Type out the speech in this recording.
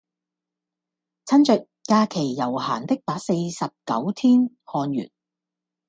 趁著假期悠閒的把四十九天看完